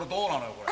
これ。